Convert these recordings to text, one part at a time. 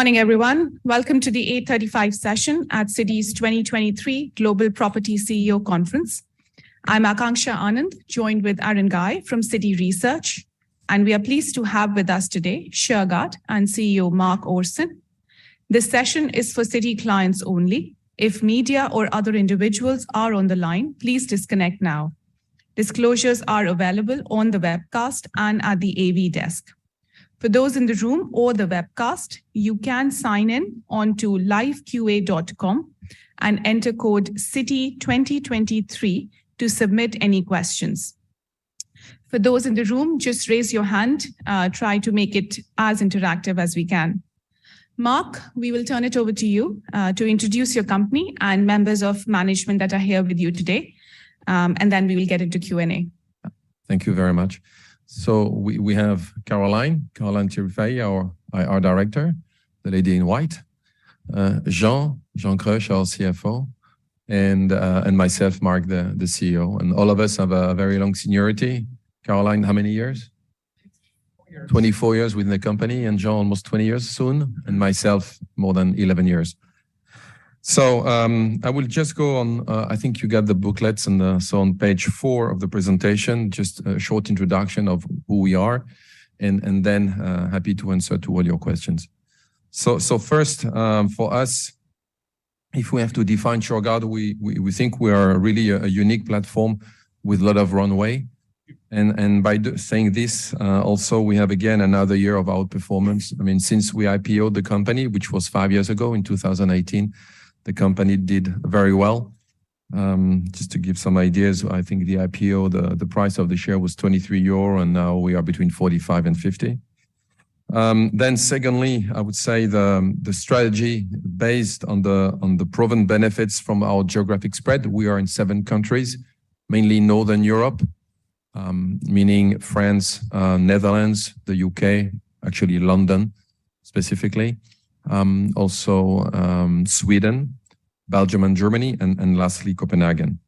Morning everyone. Welcome to the 8:35 AM session at Citi's 2023 Global Property CEO conference. I'm Akanksha Anand, joined with Aaron Guy from Citi Research, and we are pleased to have with us today Shurgard and CEO Marc Oursin. This session is for Citi clients only. If media or other individuals are on the line, please disconnect now. Disclosures are available on the webcast and at the AV desk. For those in the room or the webcast, you can sign in onto liveqa.com and enter code CITI2023 to submit any questions. For those in the room, just raise your hand. Try to make it as interactive as we can. Marc, we will turn it over to you to introduce your company and members of management that are here with you today, and then we will get into Q&A. Thank you very much. So we have Caroline, Caroline Thirifay, our director, the lady in white. Jean, Jean Kreusch, our CFO, and myself, Marc, the CEO. And all of us have a very long seniority. Caroline, how many years? 24 years. 24 years within the company, and Jean almost 20 years soon, and myself more than 11 years. So I will just go on. I think you got the booklets and so on page four of the presentation, just a short introduction of who we are, and then happy to answer to all your questions. So first, for us, if we have to define Shurgard, we think we are really a unique platform with a lot of runway. And by saying this, also, we have, again, another year of outperformance. I mean, since we IPOed the company, which was 5 years ago in 2018, the company did very well. Just to give some ideas, I think the IPO, the price of the share was 23 euro, and now we are between 45-50. Then secondly, I would say the strategy based on the proven benefits from our geographic spread; we are in seven countries, mainly Northern Europe, meaning France, Netherlands, the U.K., actually London specifically, also Sweden, Belgium, and Germany, and lastly Copenhagen.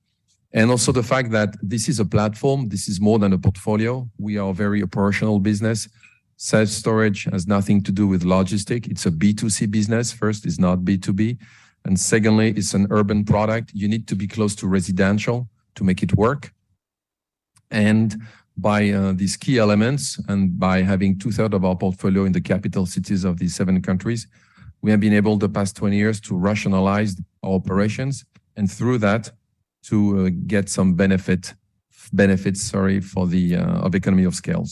And also the fact that this is a platform; this is more than a portfolio. We are a very operational business. Self storage has nothing to do with logistics. It's a B2C business. First, it's not B2B. And secondly, it's an urban product. You need to be close to residential to make it work. And by these key elements and by having two-thirds of our portfolio in the capital cities of these seven countries, we have been able the past 20 years to rationalize our operations and through that to get some benefits, sorry, of economies of scale.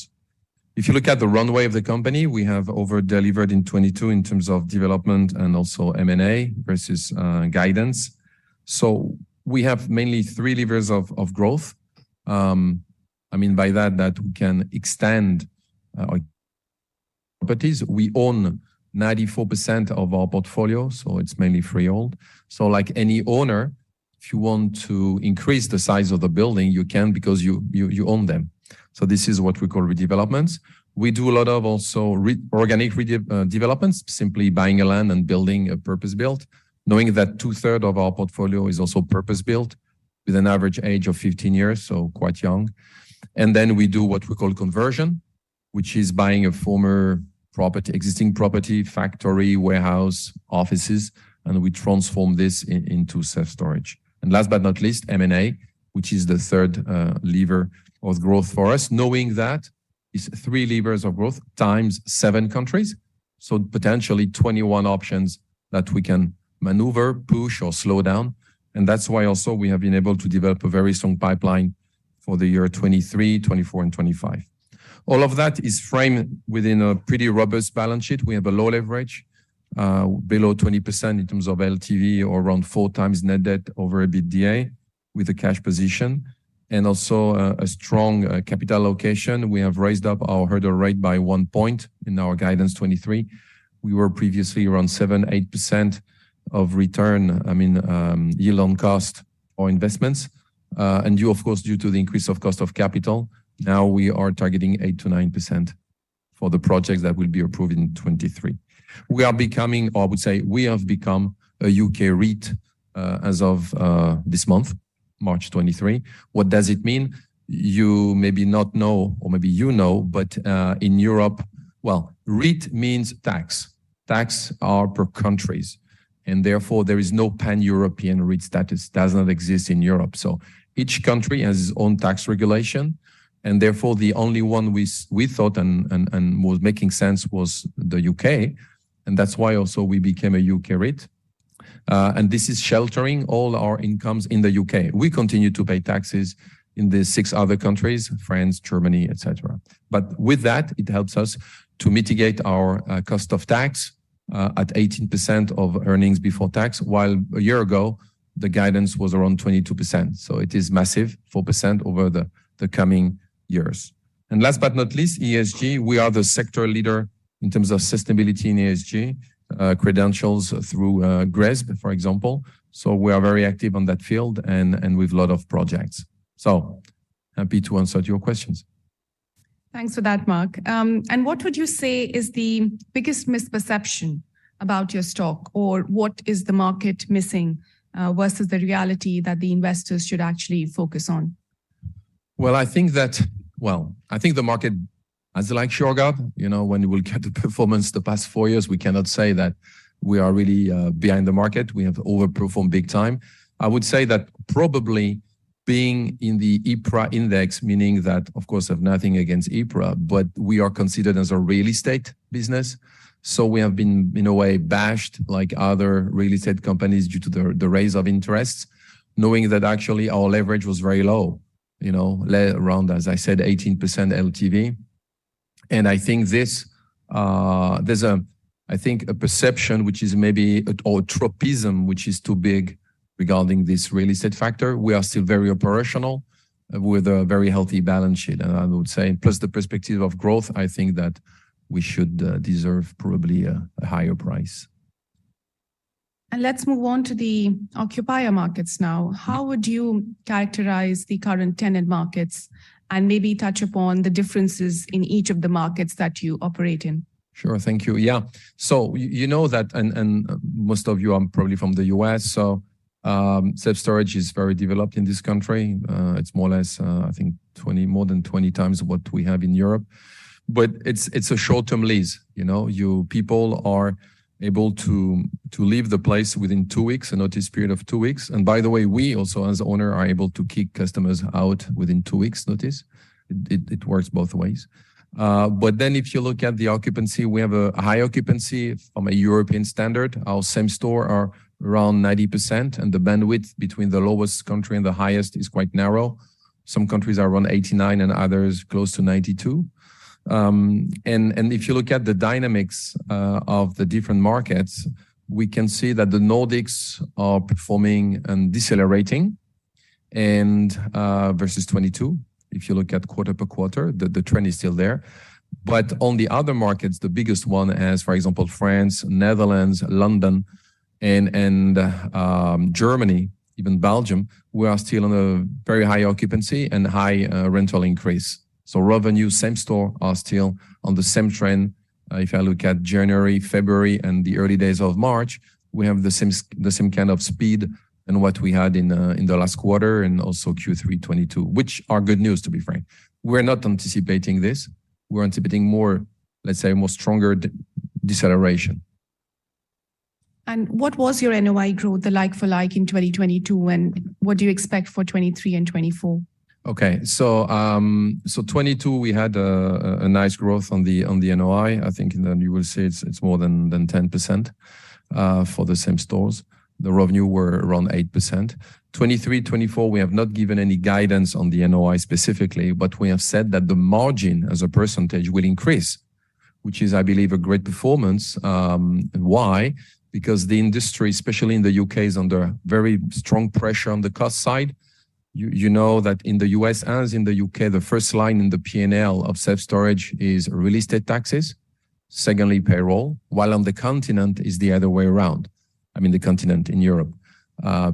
If you look at the runway of the company, we have overdelivered in 2022 in terms of development and also M&A versus guidance. So we have mainly three levers of growth. I mean by that, that we can extend properties. We own 94% of our portfolio, so it's mainly freehold. So like any owner, if you want to increase the size of the building, you can because you own them. So this is what we call redevelopments. We do a lot of also organic developments, simply buying a land and building a purpose-built, knowing that 2/3 of our portfolio is also purpose-built with an average age of 15 years, so quite young. And then we do what we call conversion, which is buying a former property, existing property, factory, warehouse, offices, and we transform this into self storage. And last but not least, M&A, which is the third lever of growth for us, knowing that it's three levers of growth x7 countries, so potentially 21 options that we can maneuver, push, or slow down. And that's why also we have been able to develop a very strong pipeline for the year 2023, 2024, and 2025. All of that is framed within a pretty robust balance sheet. We have a low leverage, below 20% in terms of LTV, or around 4x net debt over EBITDA with a cash position, and also a strong capital allocation. We have raised up our hurdle rate by 1 point in our guidance 2023. We were previously around 7%-8% of return, I mean yield on cost or investments, and due, of course, due to the increase of cost of capital, now we are targeting 8%-9% for the projects that will be approved in 2023. We are becoming, or I would say we have become, a U.K. REIT as of this month, March 2023. What does it mean? You maybe not know, or maybe you know, but in Europe, well, REIT means tax. Tax are per countries, and therefore there is no pan-European REIT status. It does not exist in Europe. So each country has its own tax regulation, and therefore the only one we thought and was making sense was the U.K., and that's why also we became a U.K. REIT. And this is sheltering all our incomes in the U.K.. We continue to pay taxes in the 6 other countries, France, Germany, etc. But with that, it helps us to mitigate our cost of tax at 18% of earnings before tax, while a year ago the guidance was around 22%. So it is massive, 4% over the coming years. And last but not least, ESG. We are the sector leader in terms of sustainability in ESG credentials through GRESB, for example. So we are very active on that field, and we have a lot of projects. So, happy to answer your questions. Thanks for that, Marc. What would you say is the biggest misperception about your stock, or what is the market missing versus the reality that the investors should actually focus on? Well, I think the market, as like Shurgard, you know, when we look at the performance the past four years, we cannot say that we are really behind the market. We have overperformed big time. I would say that probably being in the EPRA index, meaning that, of course, I have nothing against E`PRA, but we are considered as a real estate business. So we have been, in a way, bashed like other real estate companies due to the rise of interests, knowing that actually our leverage was very low, you know, around, as I said, 18% LTV. I think there's a perception which is maybe a tropism which is too big regarding this real estate factor. We are still very operational with a very healthy balance sheet, and I would say, plus the perspective of growth, I think that we should deserve probably a higher price. Let's move on to the occupier markets now. How would you characterize the current tenant markets and maybe touch upon the differences in each of the markets that you operate in? Sure, thank you. Yeah. So you know that, and most of you are probably from the U.S., so self storage is very developed in this country. It's more or less, I think, 20 more than 20 times what we have in Europe. But it's a short-term lease, you know. People are able to leave the place within 2 weeks, a notice period of 2 weeks. And by the way, we also, as owners, are able to kick customers out within 2 weeks' notice. It works both ways. But then if you look at the occupancy, we have a high occupancy from a European standard. Our Same Store are around 90%, and the bandwidth between the lowest country and the highest is quite narrow. Some countries are around 89% and others close to 92%. If you look at the dynamics of the different markets, we can see that the Nordics are performing and decelerating versus 2022. If you look at quarter per quarter, the trend is still there. But on the other markets, the biggest one, as for example, France, Netherlands, London, and Germany, even Belgium, we are still on a very high occupancy and high rental increase. So revenue, Same Store, are still on the same trend. If I look at January, February, and the early days of March, we have the same kind of speed and what we had in the last quarter and also Q3 2022, which are good news, to be frank. We're not anticipating this. We're anticipating more, let's say, more stronger deceleration. What was your NOI growth, the like-for-like in 2022, and what do you expect for 2023 and 2024? Okay. So 2022, we had a nice growth on the NOI. I think you will see it's more than 10% for the same-store. The revenue were around 8%. 2023, 2024, we have not given any guidance on the NOI specifically, but we have said that the margin as a percentage will increase, which is, I believe, a great performance. Why? Because the industry, especially in the U.K., is under very strong pressure on the cost side. You know that in the U.S. as in the U.K., the first line in the P&L of self-storage is real estate taxes, secondly payroll, while on the continent it's the other way around. I mean, the continent, in Europe.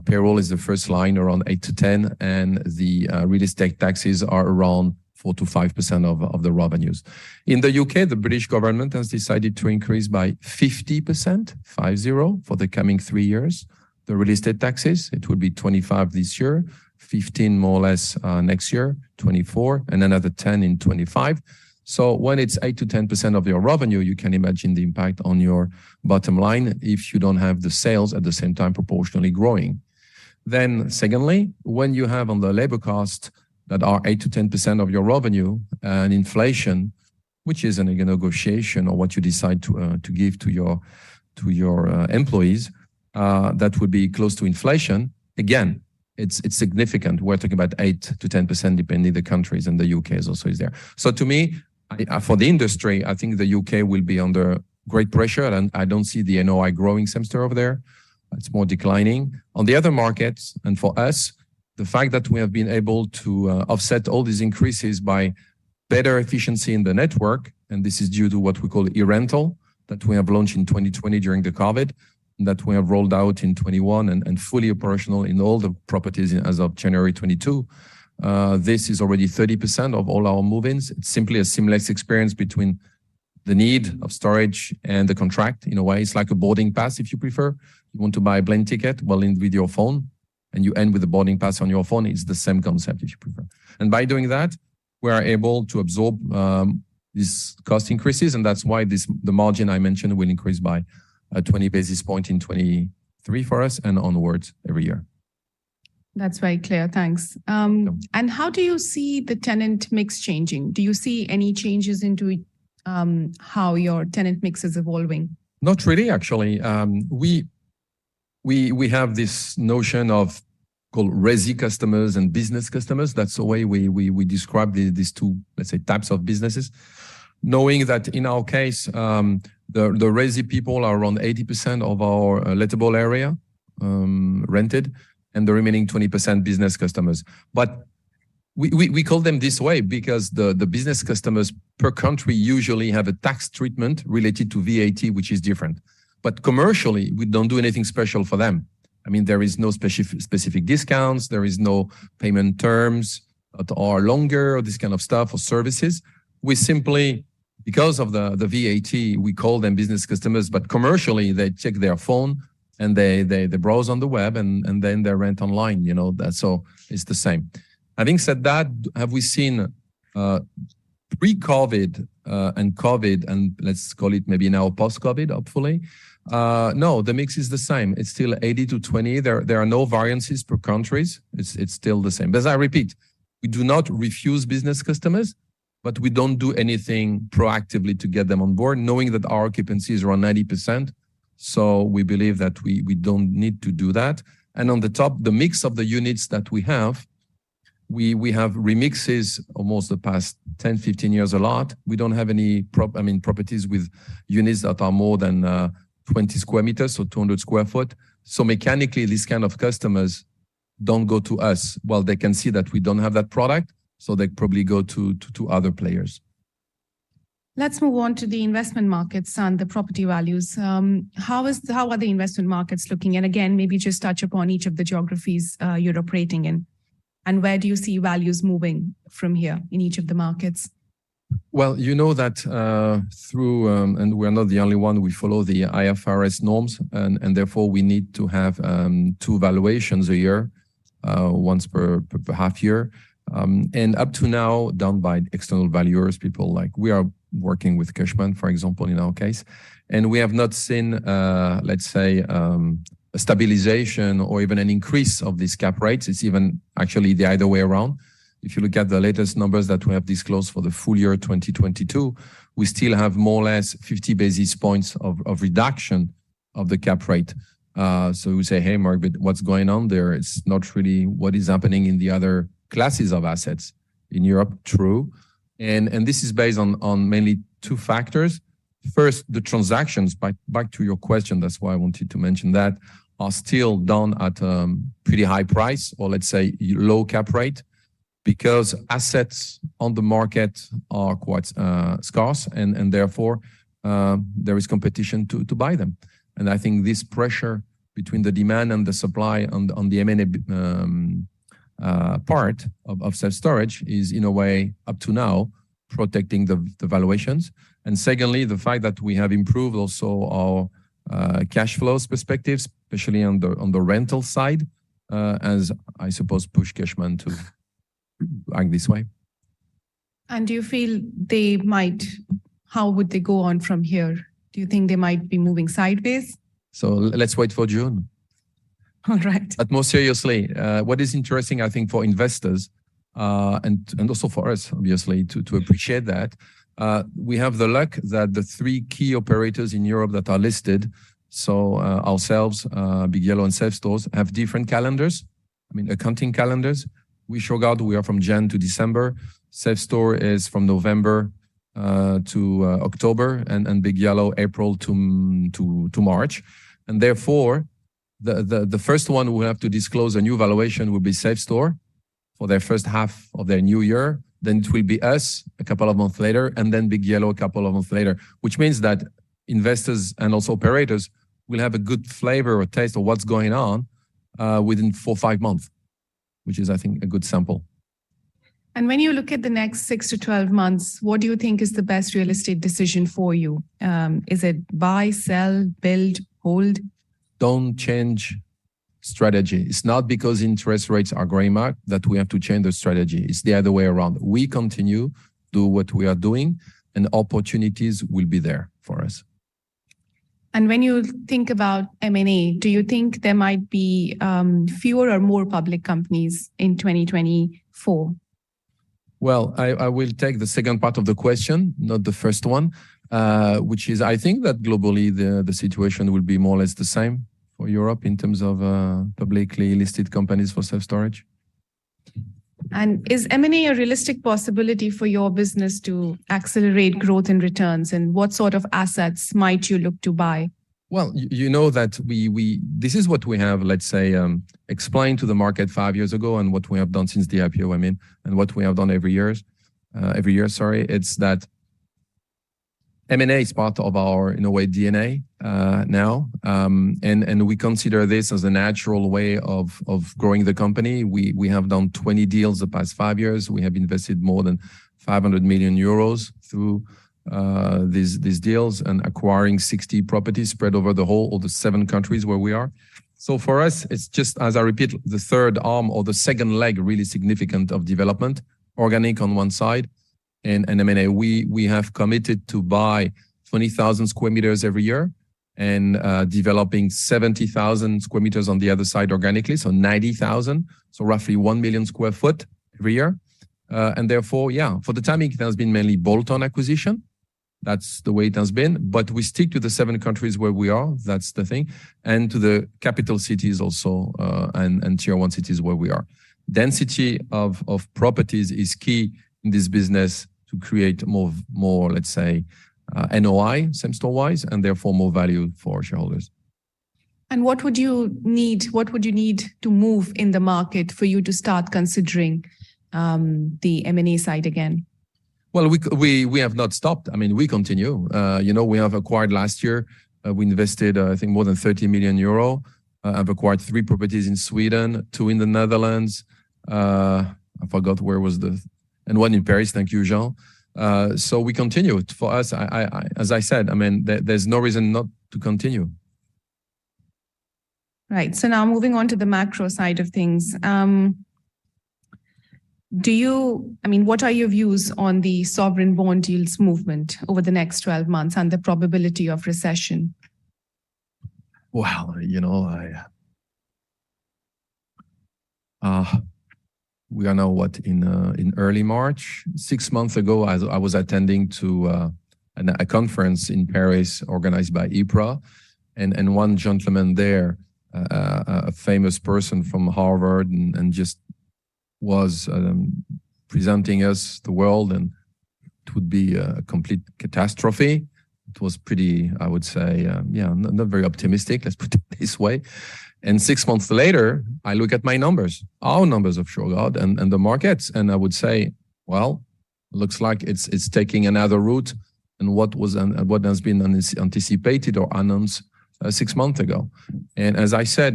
Payroll is the first line around 8%-10%, and the real estate taxes are around 4%-5% of the revenues. In the U.K., the British government has decided to increase by 50%, 50%, for the coming 3 years, the real estate taxes. It would be 25% this year, 15% more or less next year, 24%, and another 10% in 2025. So when it's 8%-10% of your revenue, you can imagine the impact on your bottom line if you don't have the sales at the same time proportionally growing. Then secondly, when you have on the labor cost that are 8%-10% of your revenue and inflation, which isn't a negotiation or what you decide to give to your employees, that would be close to inflation, again, it's significant. We're talking about 8%-10% depending on the countries, and the U.K. also is there. So to me, for the industry, I think the U.K. will be under great pressure, and I don't see the NOI growing same store over there. It's more declining. On the other markets, and for us, the fact that we have been able to offset all these increases by better efficiency in the network, and this is due to what we call eRental that we have launched in 2020 during the COVID, that we have rolled out in 2021 and fully operational in all the properties as of January 2022, this is already 30% of all our move-ins. It's simply a seamless experience between the need of storage and the contract. In a way, it's like a boarding pass, if you prefer. You want to buy a plane ticket, well, with your phone, and you end with a boarding pass on your phone. It's the same concept, if you prefer. By doing that, we are able to absorb these cost increases, and that's why the margin I mentioned will increase by a 20 basis point in 2023 for us and onwards every year. That's very clear. Thanks. How do you see the tenant mix changing? Do you see any changes into how your tenant mix is evolving? Not really, actually. We have this notion called Resi customers and business customers. That's the way we describe these two, let's say, types of businesses, knowing that in our case, the Resi people are around 80% of our lettable area rented, and the remaining 20% business customers. But we call them this way because the business customers per country usually have a tax treatment related to VAT, which is different. But commercially, we don't do anything special for them. I mean, there are no specific discounts. There are no payment terms that are longer or this kind of stuff or services. We simply, because of the VAT, we call them business customers, but commercially, they check their phone and they browse on the web, and then they rent online, you know? So it's the same. Having said that, have we seen pre-COVID and COVID, and let's call it maybe now post-COVID, hopefully? No, the mix is the same. It's still 80-20. There are no variances per countries. It's still the same. As I repeat, we do not refuse business customers, but we don't do anything proactively to get them on board, knowing that our occupancy is around 90%. So we believe that we don't need to do that. And on the top, the mix of the units that we have, we have remixes almost the past 10-15 years a lot. We don't have any, I mean, properties with units that are more than 20 square meters, so 200 sq ft. So mechanically, these kind of customers don't go to us. Well, they can see that we don't have that product, so they probably go to other players. Let's move on to the investment markets and the property values. How are the investment markets looking? And again, maybe just touch upon each of the geographies you're operating in, and where do you see values moving from here in each of the markets? Well, you know that through and we are not the only one. We follow the IFRS norms, and therefore we need to have two valuations a year, once per half year. Up to now, done by external valuers, people like we are working with Cushman, for example, in our case, and we have not seen, let's say, a stabilization or even an increase of these cap rates. It's even actually the other way around. If you look at the latest numbers that we have disclosed for the full year 2022, we still have more or less 50 basis points of reduction of the cap rate. So we say, "Hey, Marc, what's going on there? It's not really what is happening in the other classes of assets." In Europe, true. And this is based on mainly two factors. First, the transactions, back to your question, that's why I wanted to mention that, are still done at a pretty high price or, let's say, low cap rate because assets on the market are quite scarce, and therefore there is competition to buy them. I think this pressure between the demand and the supply on the M&A part of self storage is, in a way, up to now, protecting the valuations. Secondly, the fact that we have improved also our cash flow perspectives, especially on the rental side, as I suppose push Cushman to act this way. Do you feel they might, how would they go on from here? Do you think they might be moving sideways? Let's wait for June. All right. But more seriously, what is interesting, I think, for investors and also for us, obviously, to appreciate that, we have the luck that the three key operators in Europe that are listed, so ourselves, Big Yellow, and Safetores, have different calendars, I mean, accounting calendars. We, Shurgard, we are from Jan to December. Self Store is from November to October, and Big Yellow, April to March. And therefore, the first one who will have to disclose a new valuation will be Safestore for their first half of their new year. Then it will be us a couple of months later, and then Big Yellow a couple of months later, which means that investors and also operators will have a good flavor or taste of what's going on within 4-5 months, which is, I think, a good sample. When you look at the next 6 months-12 months, what do you think is the best real estate decision for you? Is it buy, sell, build, hold? Don't change strategy. It's not because interest rates are high, Marc, that we have to change the strategy. It's the other way around. We continue to do what we are doing, and opportunities will be there for us. When you think about M&A, do you think there might be fewer or more public companies in 2024? Well, I will take the second part of the question, not the first one, which is, I think that globally the situation will be more or less the same for Europe in terms of publicly listed companies for self storage. Is M&A a realistic possibility for your business to accelerate growth and returns? What sort of assets might you look to buy? Well, you know that we, this is what we have, let's say, explained to the market five years ago and what we have done since the IPO, I mean, and what we have done every year, sorry. It's that M&A is part of our, in a way, DNA now, and we consider this as a natural way of growing the company. We have done 20 deals the past five years. We have invested more than 500 million euros through these deals and acquiring 60 properties spread over the whole of the seven countries where we are. So for us, it's just, as I repeat, the third arm or the second leg, really significant, of development, organic on one side and M&A. We have committed to buy 20,000 square meters every year and developing 70,000 square meters on the other side organically, so 90,000, so roughly 1 million sq ft every year. Therefore, yeah, for the timing, it has been mainly bolt-on acquisition. That's the way it has been. We stick to the seven countries where we are. That's the thing. To the capital cities also and Tier 1 cities where we are. Density of properties is key in this business to create more, let's say, NOI, same store-wise, and therefore more value for shareholders. What would you need to move in the market for you to start considering the M&A side again? Well, we have not stopped. I mean, we continue. You know, we have acquired last year. We invested, I think, more than 30 million euro. I've acquired three properties in Sweden, two in the Netherlands. I forgot where was the and one in Paris. Thank you, Akanksha. So we continue. For us, as I said, I mean, there's no reason not to continue. Right. So now moving on to the macro side of things. I mean, what are your views on the sovereign bond yields movement over the next 12 months and the probability of recession? Wow, you know, we don't know what in early March. Six months ago, I was attending a conference in Paris organized by EPRA, and one gentleman there, a famous person from Harvard, and just was presenting us the world, and it would be a complete catastrophe. It was pretty, I would say, yeah, not very optimistic, let's put it this way. Six months later, I look at my numbers, our numbers of Shurgard and the markets, and I would say, "Well, looks like it's taking another route than what has been anticipated or unknown six months ago." As I said,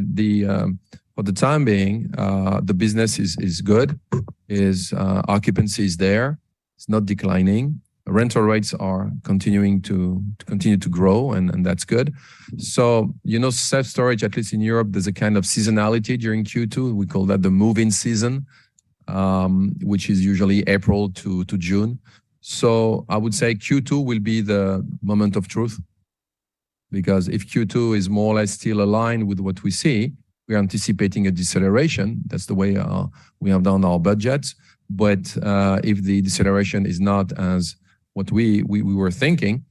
for the time being, the business is good. Occupancy is there. It's not declining. Rental rates are continuing to grow, and that's good. So you know, self storage, at least in Europe, there's a kind of seasonality during Q2. We call that the move-in season, which is usually April to June. So I would say Q2 will be the moment of truth because if Q2 is more or less still aligned with what we see, we're anticipating a deceleration. That's the way we have done our budgets. But if the deceleration is not as what we were thinking,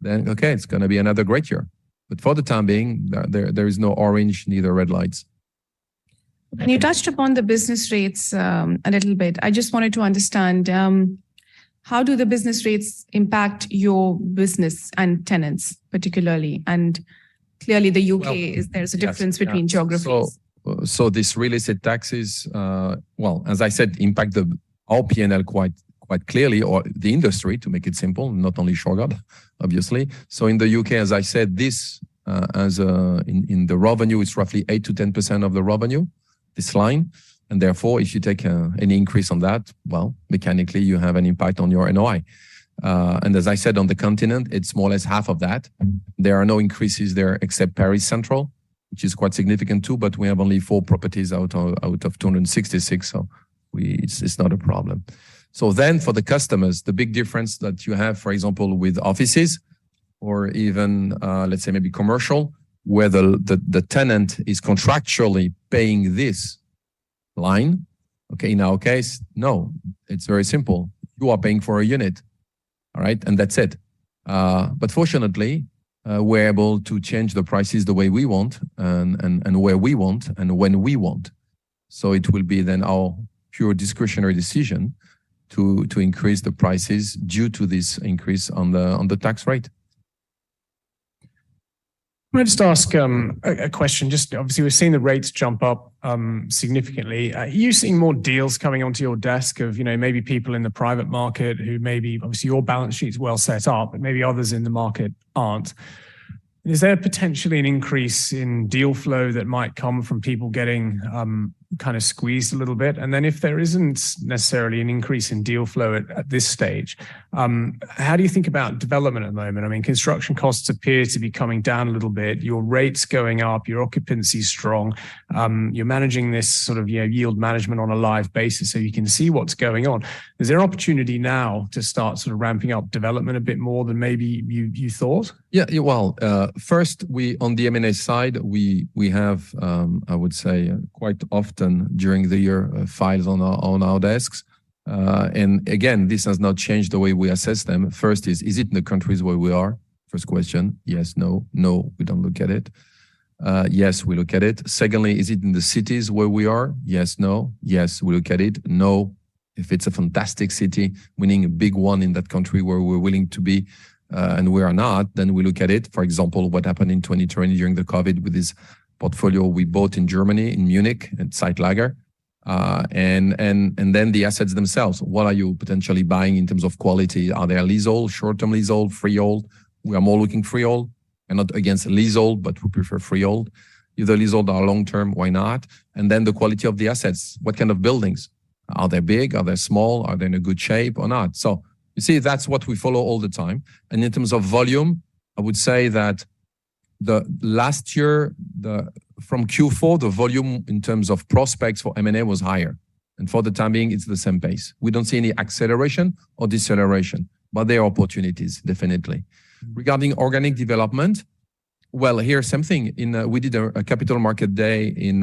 then, okay, it's going to be another great year. But for the time being, there are no orange neither red lights. You touched upon the business rates a little bit. I just wanted to understand, how do the business rates impact your business and tenants, particularly? Clearly, the U.K., there's a difference between geographies. So these real estate taxes, well, as I said, impact our P&L quite clearly or the industry, to make it simple, not only Shurgard, obviously. So in the U.K., as I said, this in the revenue, it's roughly 8%-10% of the revenue, this line. And therefore, if you take any increase on that, well, mechanically, you have an impact on your NOI. And as I said, on the continent, it's more or less half of that. There are no increases there except Paris Central, which is quite significant too, but we have only four properties out of 266, so it's not a problem. So then for the customers, the big difference that you have, for example, with offices or even, let's say, maybe commercial, where the tenant is contractually paying this line, okay, in our case, no, it's very simple. You are paying for a unit, all right, and that's it. But fortunately, we're able to change the prices the way we want and where we want and when we want. So it will be then our pure discretionary decision to increase the prices due to this increase on the tax rate. I'm going to just ask a question. Just obviously, we're seeing the rates jump up significantly. Are you seeing more deals coming onto your desk of maybe people in the private market who maybe obviously, your balance sheet's well set up, but maybe others in the market aren't? Is there potentially an increase in deal flow that might come from people getting kind of squeezed a little bit? And then if there isn't necessarily an increase in deal flow at this stage, how do you think about development at the moment? I mean, construction costs appear to be coming down a little bit. Your rates going up. Your occupancy's strong. You're managing this sort of yield management on a live basis so you can see what's going on. Is there an opportunity now to start sort of ramping up development a bit more than maybe you thought? Yeah. Well, first, on the M&A side, we have, I would say, quite often during the year, files on our desks. And again, this has not changed the way we assess them. First is, is it in the countries where we are? First question, yes, no. No, we don't look at it. Yes, we look at it. Secondly, is it in the cities where we are? Yes, no. Yes, we look at it. No, if it's a fantastic city, meaning a big one in that country where we're willing to be and we are not, then we look at it. For example, what happened in 2020 during the COVID with this portfolio we bought in Germany, in Munich, at Zeitlager. And then the assets themselves, what are you potentially buying in terms of quality? Are there leasehold, short-term leasehold, freehold? We are more looking freehold. We're not against leasehold, but we prefer freehold. Either leasehold or long-term, why not? And then the quality of the assets, what kind of buildings? Are they big? Are they small? Are they in a good shape or not? So you see, that's what we follow all the time. And in terms of volume, I would say that last year, from Q4, the volume in terms of prospects for M&A was higher. And for the time being, it's the same pace. We don't see any acceleration or deceleration, but there are opportunities, definitely. Regarding organic development, well, here's something. We did a Capital Market Day in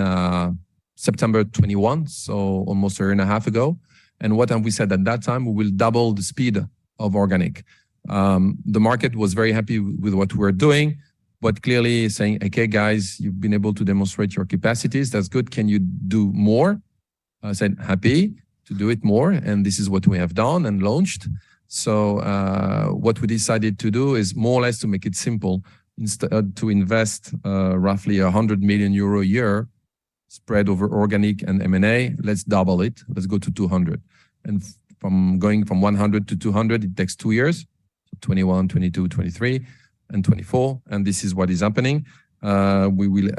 September 2021, so almost a year and a half ago. And what have we said at that time? We will double the speed of organic. The market was very happy with what we were doing, but clearly saying, "Okay, guys, you've been able to demonstrate your capacities. That's good. Can you do more?" I said, "Happy to do it more, and this is what we have done and launched." So what we decided to do is more or less to make it simple. Instead of investing roughly 100 million euro a year spread over organic and M&A, let's double it. Let's go to 200. And going from 100 to 200, it takes 2 years, so 2021, 2022, 2023, and 2024, and this is what is happening. We will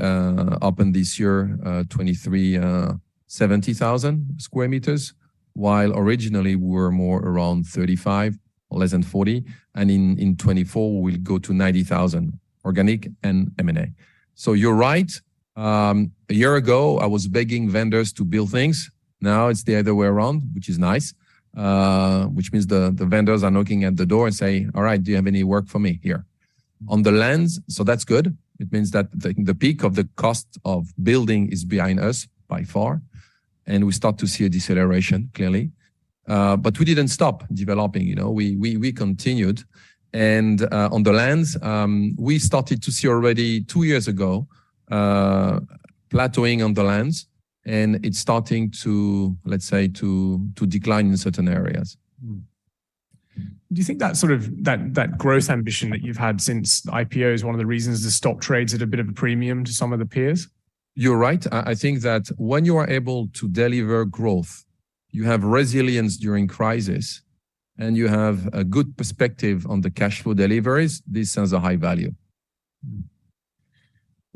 open this year 23,700 square meters while originally we were more around 35, less than 40. And in 2024, we'll go to 90,000 organic and M&A. So you're right. A year ago, I was begging vendors to build things. Now it's the other way around, which is nice, which means the vendors are knocking at the door and saying, "All right, do you have any work for me here?" On the lands, so that's good. It means that the peak of the cost of building is behind us by far, and we start to see a deceleration, clearly. But we didn't stop developing. We continued. And on the lands, we started to see already 2 years ago plateauing on the lands, and it's starting to, let's say, to decline in certain areas. Do you think that sort of that growth ambition that you've had since IPO is one of the reasons the stock trades at a bit of a premium to some of the peers? You're right. I think that when you are able to deliver growth, you have resilience during crisis, and you have a good perspective on the cash flow deliveries, this has a high value.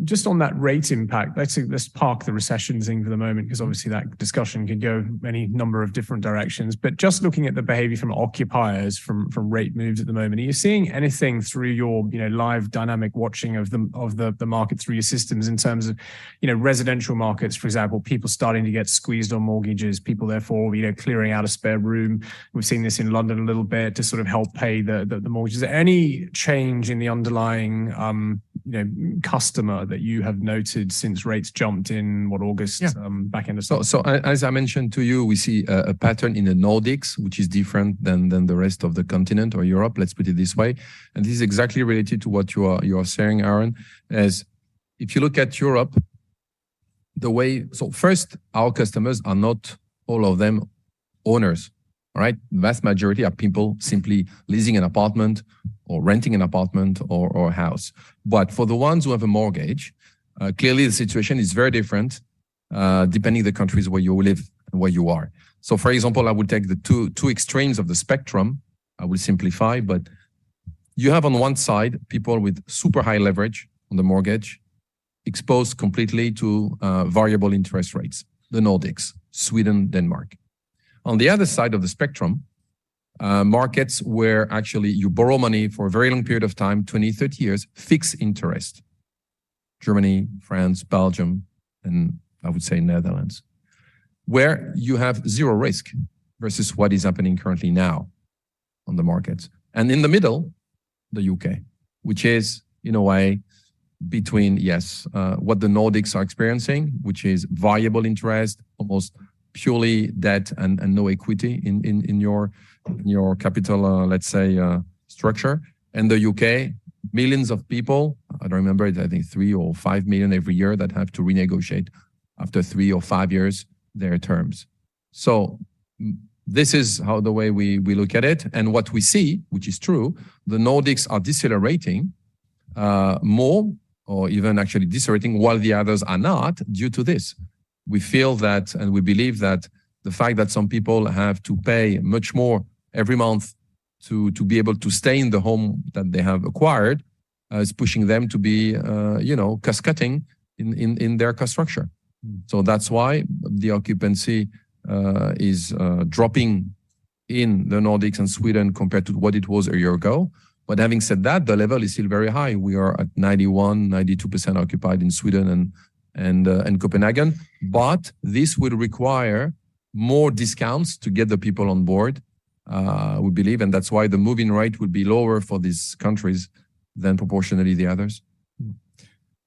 Just on that rate impact, let's park the recession thing for the moment because obviously that discussion could go any number of different directions. But just looking at the behavior from occupiers, from rate moves at the moment, are you seeing anything through your live dynamic watching of the market through your systems in terms of residential markets, for example, people starting to get squeezed on mortgages, people therefore clearing out a spare room? We've seen this in London a little bit to sort of help pay the mortgages. Is there any change in the underlying customer that you have noted since rates jumped in, what, August, back end of September? So as I mentioned to you, we see a pattern in the Nordics, which is different than the rest of the continent or Europe, let's put it this way. And this is exactly related to what you are sharing, Aaron, is if you look at Europe, the way so first, our customers are not all of them owners, all right? The vast majority are people simply leasing an apartment or renting an apartment or a house. But for the ones who have a mortgage, clearly the situation is very different depending on the countries where you live and where you are. So for example, I would take the two extremes of the spectrum. I will simplify, but you have on one side people with super high leverage on the mortgage, exposed completely to variable interest rates, the Nordics, Sweden, Denmark. On the other side of the spectrum, markets where actually you borrow money for a very long period of time, 20, 30 years, fixed interest, Germany, France, Belgium, and I would say Netherlands, where you have zero risk versus what is happening currently now on the markets. In the middle, the U.K., which is in a way between, yes, what the Nordics are experiencing, which is variable interest, almost purely debt and no equity in your capital, let's say, structure, and the U.K., millions of people, I don't remember it, I think 3 or 5 million every year that have to renegotiate after 3 or 5 years their terms. This is the way we look at it. What we see, which is true, the Nordics are decelerating more or even actually decelerating while the others are not due to this. We feel that and we believe that the fact that some people have to pay much more every month to be able to stay in the home that they have acquired is pushing them to be cascading in their cost structure. So that's why the occupancy is dropping in the Nordics and Sweden compared to what it was a year ago. But having said that, the level is still very high. We are at 91%-92% occupied in Sweden and Copenhagen. But this will require more discounts to get the people on board, we believe. And that's why the moving rate will be lower for these countries than proportionally the others.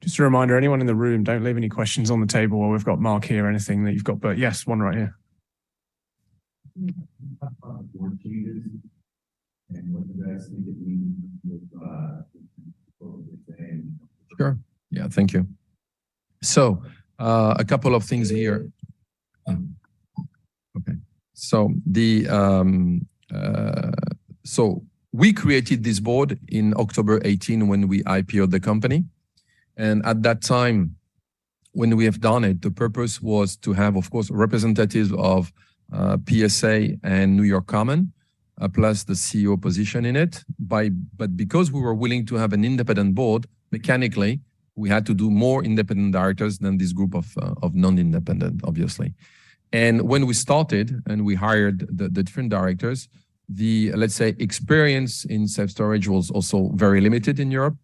Just a reminder, anyone in the room, don't leave any questions on the table while we've got Marc here, anything that you've got. But yes, one right here. I've got a few more changes. What do you guys think it means with what we're saying? Sure. Yeah, thank you. So a couple of things here. Okay. So we created this board in October 2018 when we IPO'd the company. And at that time, when we have done it, the purpose was to have, of course, representatives of PSA and New York Common, plus the CEO position in it. But because we were willing to have an independent board, mechanically, we had to do more independent directors than this group of non-independent, obviously. And when we started and we hired the different directors, let's say, experience in self storage was also very limited in Europe.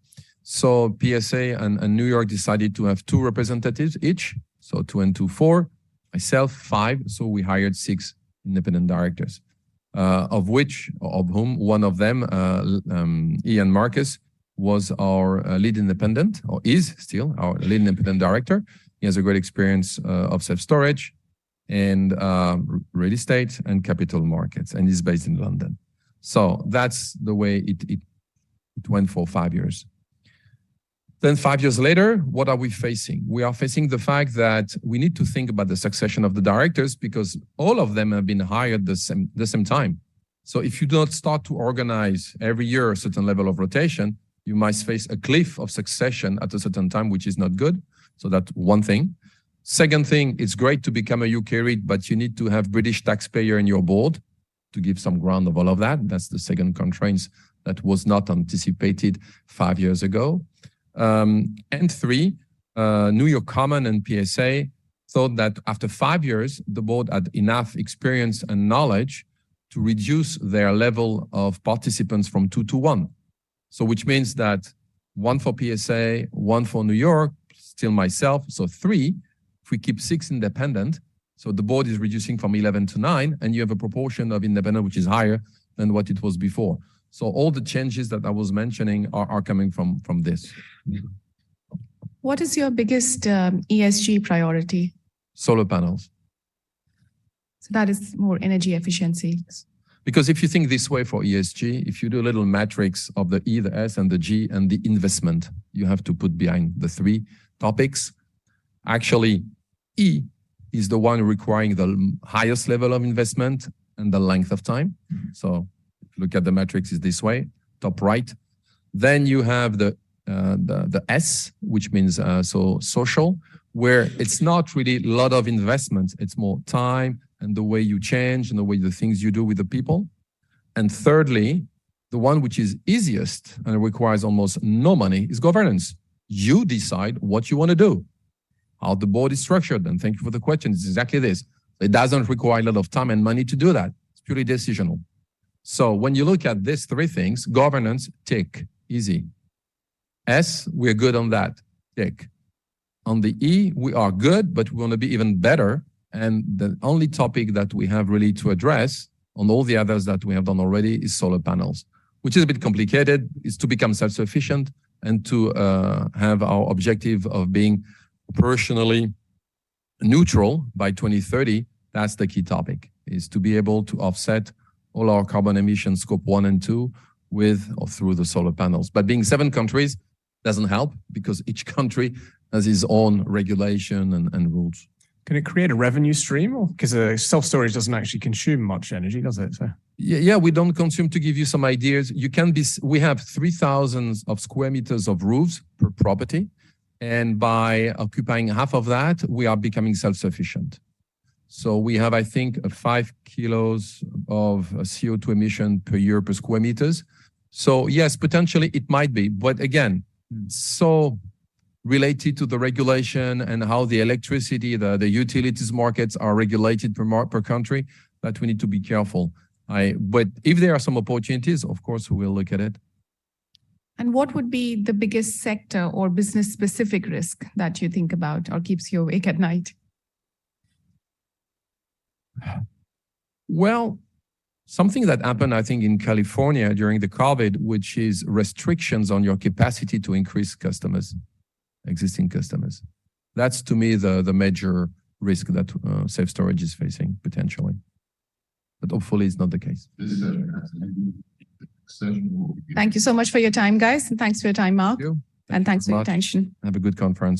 So PSA and New York decided to have two representatives each, so two and two, four, myself, five. So we hired six independent directors, of whom one of them, Ian Marcus, was our lead independent or is still our lead independent director. He has a great experience of self storage and real estate and capital markets, and he's based in London. So that's the way it went for five years. Then five years later, what are we facing? We are facing the fact that we need to think about the succession of the directors because all of them have been hired the same time. So if you don't start to organize every year a certain level of rotation, you might face a cliff of succession at a certain time, which is not good. So that's one thing. Second thing, it's great to become a U.K. REIT, but you need to have a British taxpayer in your board to give some ground of all of that. That's the second constraint that was not anticipated five years ago. And three, New York Common and PSA thought that after 5 years, the board had enough experience and knowledge to reduce their level of participants from two to one, which means that one for PSA, 1 for New York, still myself, so three. If we keep six independent, so the board is reducing from 11 to 9, and you have a proportion of independent, which is higher than what it was before. So all the changes that I was mentioning are coming from this. What is your biggest ESG priority? Solar panels. That is more energy efficiency. Because if you think this way for ESG, if you do a little matrix of the E, the S, and the G, and the investment you have to put behind the three topics, actually, E is the one requiring the highest level of investment and the length of time. So if you look at the matrix, it's this way, top right. Then you have the S, which means social, where it's not really a lot of investment. It's more time and the way you change and the way the things you do with the people. And thirdly, the one which is easiest and requires almost no money is governance. You decide what you want to do, how the board is structured. And thank you for the question. It's exactly this. It doesn't require a lot of time and money to do that. It's purely decisional. So when you look at these three things, governance, tick, easy. S, we are good on that, tick. On the E, we are good, but we want to be even better. And the only topic that we have really to address on all the others that we have done already is solar panels, which is a bit complicated. It's to become self-sufficient and to have our objective of being operationally neutral by 2030. That's the key topic, is to be able to offset all our carbon emissions, Scope 1 and 2, with or through the solar panels. But being seven countries doesn't help because each country has its own regulation and rules. Can it create a revenue stream? Because self storage doesn't actually consume much energy, does it, sir? Yeah, we don't consume. To give you some ideas, we have 3,000 square meters of roofs per property. And by occupying half of that, we are becoming self-sufficient. So we have, I think, 5 kilos of CO2 emission per year per square meters. So yes, potentially, it might be. But again, so related to the regulation and how the electricity, the utilities markets are regulated per country, that we need to be careful. But if there are some opportunities, of course, we will look at it. What would be the biggest sector or business-specific risk that you think about or keeps you awake at night? Well, something that happened, I think, in California during the COVID, which is restrictions on your capacity to increase rents for existing customers. That's, to me, the major risk that self-storage is facing potentially. Hopefully, it's not the case. Thank you so much for your time, guys. Thanks for your time, Marc. Thank you. Thanks for your attention. Have a good conference.